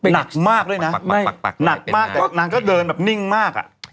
หนักมากด้วยนะหนักมากหนักมากแต่นางก็เดินแบบนิ่งมากอ่ะ